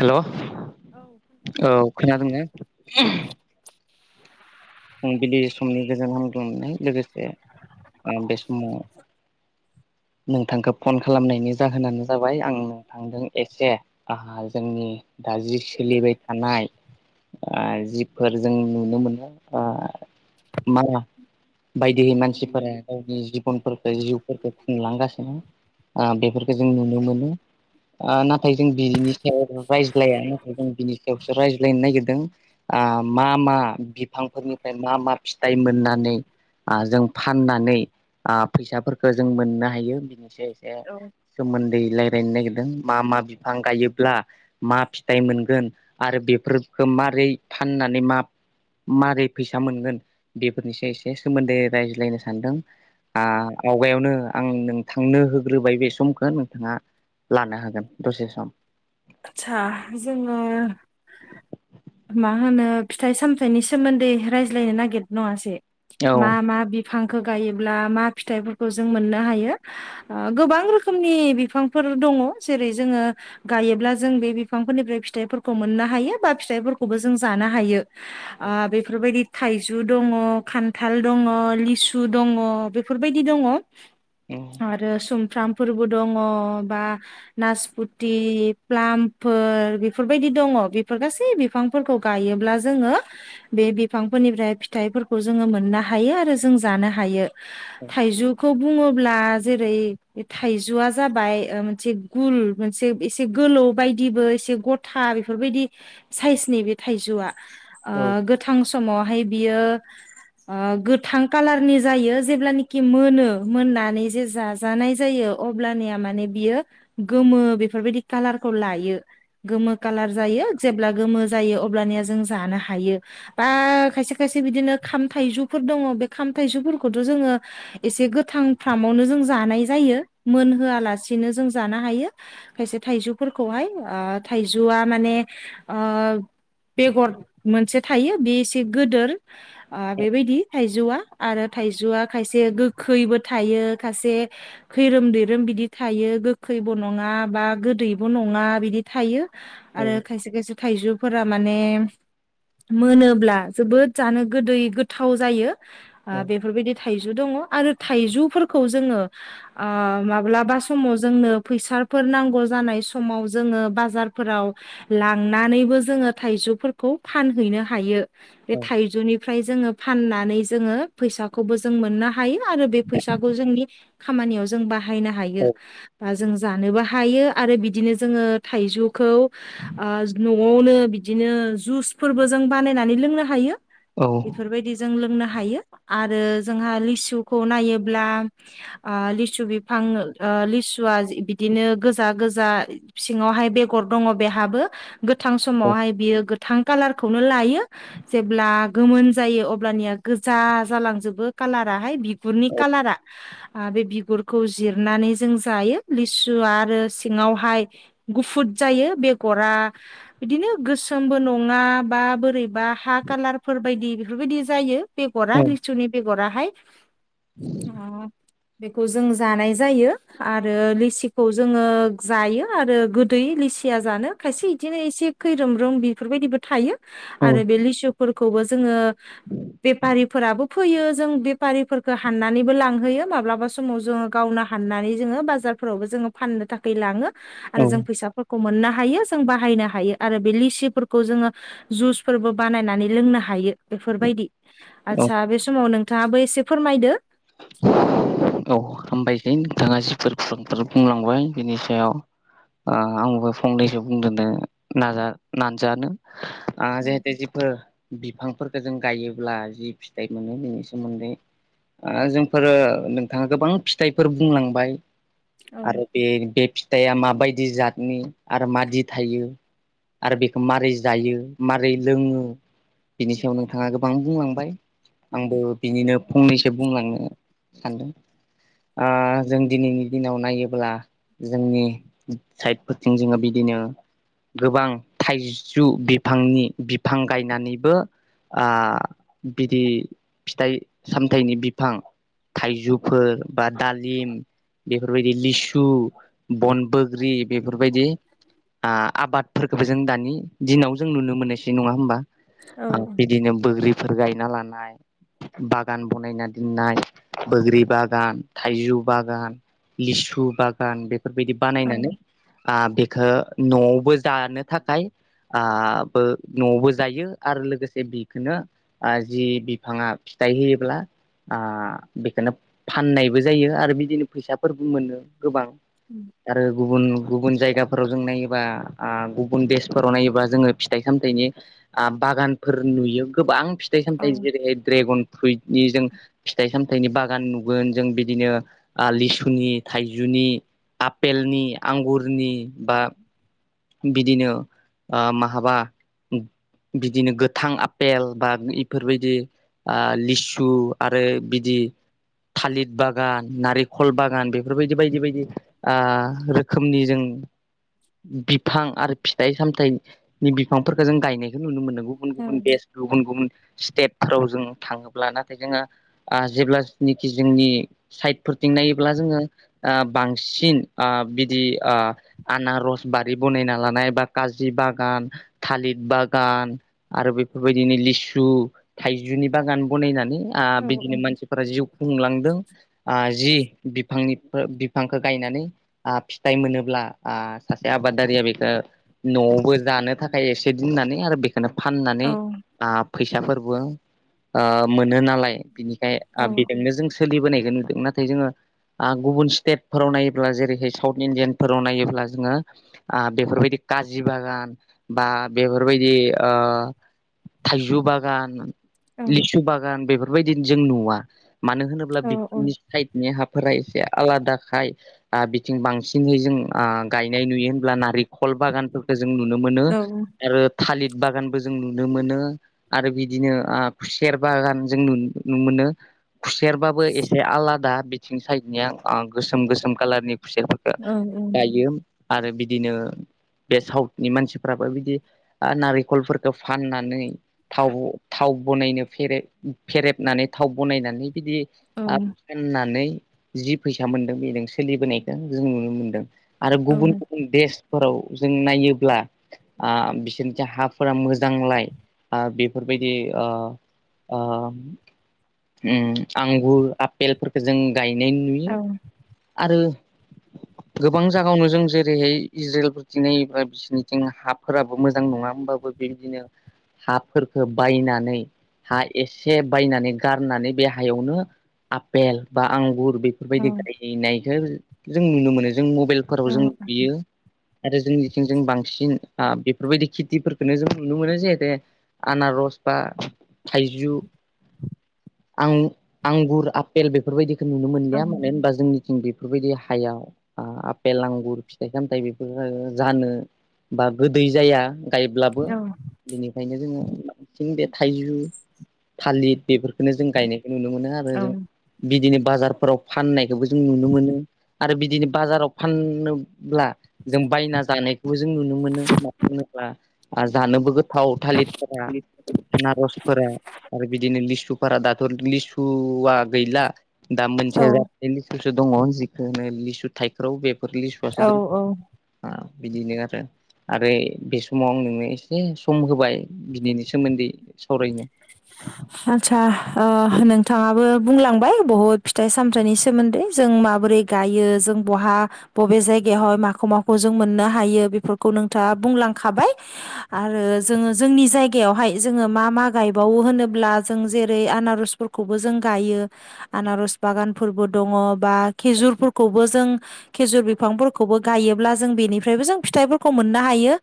हेल' औ औ खोनादोंना फुंबिलि समनि गोजोन हामग्लांनाय लोगोसे ओ बे समाव [inaudible] [unintelligible] नोंथांखौ फन खालामनायनि जाहोनानो जाबाय आं नोंथांजों एसे आहा जोंनि दा जि सोलिबाय थानाय जिफोर जों नुनो मोनो मा बायदिहै मानसिफोरा गावनि जि फनफोरखौ जिउफोरखौ खुंलांगासिनो बेफोरखौ जों नुनो मोनो ओ नाथाय जों बिनि रायज्लाया नाथाय जों बिनि सायावसो रायज्लायनो नागिरदों मा मा बिफांफोरनिफ्राय मा मा फिथाइ मोननानै आ जों फाननानै आ फैसाफोरखौ जों मोननो हायो बिनोसै औ सोमोन्दो रायजलायनो नागिरदों मा मा बिफां गायोब्ला मा फिथाइ मोनगोन आरो बेफोर होमारै फाननानै मा मारै फैसा मोनगोन बेफोरनिसो एसे सोमोन्दै रायज्लायनो सानदों आ आवगायावनो आं नोंथांनो होग्रोबाय बे समखौ नोंथाङा लानो हागोन दसे सम आदसा जोङो मा होनो फिथाइ सामथायाइनि सोमोन्दै रायज्लायनो नागिर नङासै औ मा मा बि फांखौ गायोब्ला मा फिथाइफोरखौ जों मोननो हायो गोबां रोखोमनि बिफांफोर दङ जेरै जोङो गायोब्ला जों बे बिफांफोरनिफ्राय फिथाइफोरखौ मोननो हायो बा फिथाइफोरखौबो जों जानो हायो आ बेफोरबायदि थाइजौ दङ खान्थाल दङ लिसु दङ बेफोरबायदि दङ आरो सुमफ्राम फोरबो दङ बा नासपुति प्लामफोर बेफोरबायदि दङ बेफोर गासै बिफांफोरखौ गायोब्ला जोङो बे बे बिफांफोरनिफ्राय फिथाइफोरखौ जोंङो मोननो हायो आरो जों जानो हायो ।थाइजु खौ बुङोब्ला जेरै थाइजुआ जाबाय ओ मोनसे गुल मोनसे एसे गोलौ बायदिबो एसे गथा बेफोरबायदि साइसनि बे थाइजौया ओ औ गोथां समावहाय बेयो आ गोथां कालारनि जायो, जेब्लानाखि मोनो मोननानै जे जाजानाय जायो अब्लानिया माने बियो गोमो बेफोरबायदि कालारखौ लायो गोमो कालार जायो जेब्ला गोमो जायो अब्लानिया जों जानो हायो बा खायसे खायसे बिदिनो खाम थाइजुफोर दङ। बे खाम थाइजुफोरखौथ' जोङो एसे गोथां फ्रामावनो जों जानाय जायो मोनहोया लासेनो जों जानो हायो खायसे थाइजौफोरखौहाय आ थाइजौआ माने आ बेगर मोनसे थायो, बि एसे गोदोर आ बेबायदि थाइजौआ आरो थाइजौआ खायसे गोखैबो थायो, खासे खैरोम दैैरोम बिदि थायो गोखै बो नङा बा गोदैबो नङा बिदि थायो औ आरो खायसे खायसे थाइजु फोरा माने मोनोब्ला जोबोद जानो गोदै गोथाव जायो। आ बेफोरबायदि थाइजु दङ आरो थाइजुफोरखौ जोंङो आ माब्लाबा समाव जोंनो फैसा फोर नांगौ जानाय समाव जोङो बाजारफोराव लांनानैबो जोङो थाइजुफोरखौ फानहै नो हायो। औ बे थाइजुनिफ्राय जोङो फाननानै जोङो फैसाखौबो जों मोननो हायो आरो बे फैसाखौ जोंनि खामानियाव जों बाहायनो हायो बा जों जानोबो हायो आरो बिदिनो जोङो थाइजुखौ आ न'आवनो बिदिनो जुसफोरबो जों बानायनानै लोंनो हायो। बिफोरबायदि जों लोंनो हायो आरो जोंहा लिसुखौ नायोब्ला ओ लिसु बिफां ओ लिसुया बिदिनो गोजा गोजा सिङावहाय बेगर दङ बेहाबो गोथां समावहाय बियो गोथां कालारखौनो लायो जेब्ला गोमोन जायो अब्लानिया गोजा जालांजोबो कालाराहाय बि गुरनि कालारा आ बे बिगुरखौ जिरनानै जों जायो लिसु आरो सिंङावहाय गुफुद जायो बेगरा बिदिनो गोसोमबो नङा बा बोरैबा हा कालारफोर बायदि बेफोरबायदि जायो बेगरा लिसुनि बे गराहाय। उम बेखौ जों जानाय जायो आरो लिसिखौ जोङो जायो आरो गोदै लिसिया जानो खायसे इदिनो एसे खैरोम रोम बेफोरबायदिबो थायो आरो बे लिसु फोरखौबो जोङो बेफारिफोराबो फैयो जों बेफारिफोरखो हाननानैबो लांहोयो। माब्लाबा समाव जोङो गावनो हाननानै जोङो बाजारफोरावबो जोङो फाननो था खै लाङो आरो जों फैसाफोर खौ मोननो हायो जों बाहायनो हायो आरो बे लिसिफोरखौ जोङो जुस फोरबो बानायनानै लोंनो हा यो बेफोरबायदि। आदसा बे समाव नोंथाङाबो एसे फोरमायदो। औ हामबायसै नोंथाङा जिफोर खौरांफोर बुंलांबाय बिनि सायाव ओ आंबो फंनैसो बुंदेरनो नाजा नाजानो। आ जेहेथे जिफोर बि फांफोरखो जों गायोब्ला जि फिथाइ मोनो बिनि सोमोन्दै आ जोंफोरो नोंथाङा गोबां फिथाइफोर बुंलांबाय औ आरो बे बे फिथाइया मा बायदि जातनि आरो मादि थायो आरो बेखो मारै जायो मारै लोङो बिनि सायाव नोंथाङा गोबां बुंलांबाय। आंबो बिनिनो फंनैसो बुंलांनो सानदों। आ जों दिनैनि दिनाव नायोब्ला जोंनि साइडफोरथिं जोङो बिदिनो गोबां थाइजौ बिफांनि बिफां गायनानैबो ओ बिदि फिथाइ सामथाइनि बिफां थाइजौ फोर बा दालिम बेफोरबायदि लिसु, बन बोग्रि बे फोरबायदि ओ आबादफोरखौबो जों दानि दिनाव जों नुनो मोननायसै नङा होमबा? ओ औ बिदिनो बोग्रि फोर गायना लानाय बागान बानायना दोननाय बैग्रि बागान थाइजौ बागान लिसु बागान बे बिदि औ बानायनानै आ बेखौ न'आवबो जानो थाखाय आ बो न'आवबो जायो आरो लोगोसे बेखौनो जि बिफाङा फिथाइ होयोब्ला आ बेखौनो फाननायबो जायो आरो बिदिनो फैसाफोरबो मोनो गोबां आरो गुबुन गुबुन जायगाफोराव जों नायोबा आ गुबुन देशफोराव नायोबा जोङो फिथाइ सामथाइनि आ बागानफोर नुयो गोबां फिथाइ औ सामथाय जेरै ड्रेगन फ्रुइट नि जों फिथाइ सामथायाइनि बागान नु जों बिदिनो ओ लिसुनि थाइजौनि आफेलनि आंगुरनि बा बिदिनो ओ महाबा बिदिनो गोथां आफेल बा इफोरबायदि ओ लिसु आरो बिदि बि थालिर बागान नारेंखल बागान बेफोरबायदि बायदि बायदि ओ रोखोमनि जों बिफां आरो फिथाइ सामथायाइनि बिफांफोरखौ जों गायनाय बे नुनो मोनदों गुबुन औ गुबुन देस गुबुन गुबुन स्टेटफोराव जों थाङोब्ला नाथाय जोङो ओ जेब्लानाखि जोंनि साइदफोरथिं नायोब्ला जों ओ बांसिन ओ बिदि ओ आनारस बा बे बनायना लानाय बा काजि बागान थालिर बागान आरो बेफोरबायदिनो लिसु सु थाइजौनि बागान बनायनानै आ औ बिदिनो मानसिफोरा जिउ खुंलांदों जि बिफांनि बिफांखौ गायनानै आ फिथाइ मोनोब्ला ओ आबादारिया बेखौ न'आवबो जानो थाखाय एसे दोननानै आरो बे बेनो औ फाननानै आ फैसाफोरबो ओ मोनो नालाय बिनिखाय औ बेजोंनो जों सोलिबोनायखौ नुदों नाथाय जोङो आ गुबुन स्टेटफोराव नायोब्ला जेरैहाय साउथ इण्डियान फोराव नायोब्ला जोङो आ बेफोरबायदि काजि बागान बा बेफोरबायदि ओ थाइजौ बागान औ लिसु बागान बेफोरबायदिनो जों नुवा मानो होनोब्ला औ बिसिनि साइडनि हाफोरा एसे आलादाखाय आ बिथिं बांसिनहै जों ओ गाय नाय नुयो होनब्ला नारेखल बागानफोरखौ जों नुनो मोनो औ आरो थालिर बागानबो जों नुनो नुनो मोनो आरो बिदिनो आ खुसेर बागान जों नु- नुनो मोनो खुसेरबाबो एसे आलादा बिथिं साइडनिया आ गोसोम गोसोम कालारनि खुसिरफोरखौ गायो आरो बिदिनो बे साउथनि मानसिफ्राबो बिदि नारेंखलफोरखौ फाननानै थाव थाव थाव बनायनो फेरेद फेरेबनानै थाव बनायनानै बिदि ओ फाननानै जि फैसा मोनदों बेजों सोलिबोनायखौ जों नुनो मोनदों आरो गुबुन देसफोराव जों नायोब्ला आ बिसोरनिथिं हाफोरा मोजांलाय आ बेफोरबायदि ओ ओ ओम आंगुर आफपेलफोरखौ जों गायनाय नुयो आरो [inaudible] गोबां जागायावनो जों जेरैहाय इज्राइलफोरथिं नायोबा बिसोरनिथिं हाफोराबो मोजां नङा होमबाबो बेबायदिनो हाफोरखौ बायनानै हा एसे बायनानै गारनानै बे हायावनो आफपेल बा आंगुर बेफोरबायदि गायनायखौ जों नुनो मोनो जों मबाइलफोराव जों नुयो। आरो जोंनिथिं जों बांसिन आ बेफोरबायदि खिथिफोरखौनो जों नुनो मोनो जिहेते आनारस। बा थाइजु। आं- आंगुर आफपेल बेफोरबायदिखौ नुनो मोनलिया मानो होनबा जोंनि। उम बेफोरबायदि हायाव। आफपेल आंगुर फिथाइ सामथायाइ बेफोर जानो बा गोदै जाया। गायब्लाबो बेनिखायनो जोङो बांसिन बे थाइजौ थालिर बेफोर। जों गायनायखौ नुनो मोनो आरो जों बिदिनो। बाजारफोराव फाननायखौबो जों नुनो मोनो आरो बिदिनो बाजाराव फाननोल्बा। जों बायना जानायखौबो जों नुनो मोनो मानो होनोब्ला जानोबो गो थाव थालिरफोरा आनारसफोरा आरो बिदिनो लिसु। दाथ' लिसुआ गैला दा मोनसे जाथि लिसु दङ जिखो लिसु थाइख्रौ बेफोर लिसुआसो दङ। औ बिदिनो आरो आरो बे समाव आं नोंनो एसे सम होबाय बिनि सोमोन्दै। सावरायनो। आदसा नोंथाङाबो बुंलांबाय बहु फिथाइ सामथाइनि सोमोन्दै जों माबोरै गाय । यो जों बहा बबे जायगायावहाय माखौ माखौ जों मोननो हायो बेफोरखौ नोंथाङा बुंलांखा। हाबाय आरो जोङो जोंनि जायगायावहाय जोङो मा। मा गायबावो होनोब्ला जों जेरै आनारसफोरखौबो जों गायो आनारस बागान फोर। दङ बा खिजुर फोरखौबो जों खिजुर बिफां फोरखौबो गायोल्बा जों बेनिफ्राइ मोजां । फिथफोरखौ मोननो हायो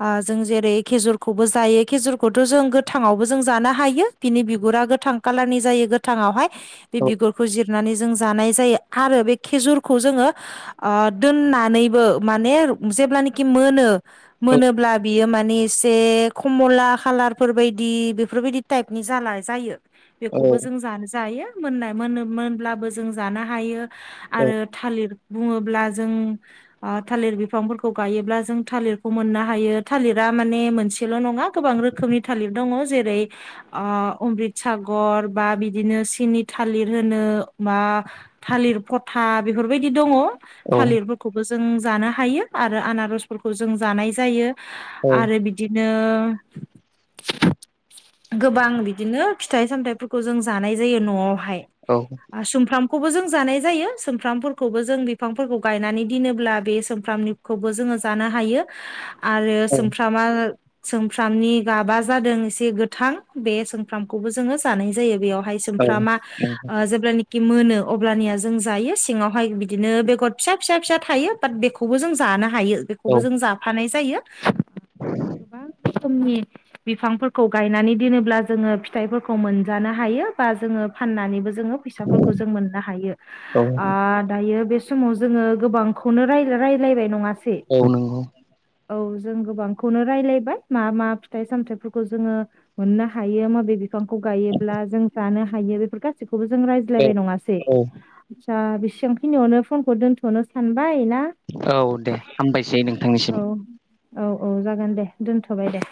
आ जों जेरै खेजुरखौबो जायोे खेजुरखौथ' जों गो। थां आवबो जों जानो हायो बिनि बिगुरा गोथां कालार जायो गोथां आवहाय बे औ बिगुरखौ जिर। नानै जों जानाय जायो आरो बे खेजुरखौ जोङो दोननानैबो माने। जेल्बा निखि मोनो औ मोनोल्बा बियो माने एसे खमला खालार फोर बायदि। बेफोर बादि ताएफनि जाना जायो बेखौवबो औ जो जानोहायो मोनाय मोनो मोनल्बा बो जों जानो हायो औ आरो थालिर बुङोल्बा जों थालिर बिफांफोर खौव गायोब्ला जों थालिरखौ मोननो हायो थालिरा माने मोनसेल' नङा गोबां रोखोमनि थालिर। दङ जेरै अमृत सागर बा बिदिनो सिनि थालिर होनो। मा थालिर फथा बेफोरबायदि दङ। थालिरफोरखौबो जों जानो हायो आरो आनारसफोरखौ जों जानाय जायो। आरो बिदिनो। गोबां बिदिनो फिथाइ सामथायाइफोरखौ जों जानाय जायो न'आवहाय। औ आ सुमफ्रामखौबो जों। जानाय जायो सोमफ्रामफोरखौबो जों बिफांफोरखौ गायनानै दोनोब्ला बे सोमफ्रामनिखौबो जोङो जा। हायो आरो सुमफ्रामा सुमफ्रामनि गाबा जादों एसे गोथां बे सोंफ्रामखौबो जोङो जानाय जायो बेयावहाय सोंफ्रामा। औ ओ जेब्लानाखि मोनो अब्लानिया जों जायो सिङावहाय बिदिनो बेगर फिसा फिसा फिसा थायो बाट। बेखौबो जों जाना। हायो बेखौबो औ जों जाफानाय जायो बे गोबां रोखोमनि। बिफांफोरखौ गायनानै दोनोब्ला जोङो फिथाइफोरखौ मोनजानो हायो बा जोङो फाननानैबो जोङो। फैसाफोरखौ जों मोननो हायो। आह दायो बे समाव जोङो गोबांखौनो राय रायलायबाय नङा। औ नंगौ। औ जों गोबांखौनो रायलायबाय मा मा फिथाइ सामथाय। बेफोरखौ जोङो मोननो हायो माबे बिफांखौ गायोब्ला जों जानो हायो बे गासिखौबो। बेखौवबो जों औ रायज्लायबायनाय नङासै औ आसा बेसेबांखिनियावनो फनखौ दोनथ'नो सानबाय ना। औ दे हामबायसै औ नोंथांनिसिम। औ औ जागोन दे दोनथ'बाय दे।